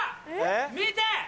見て！